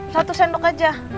satu sendok aja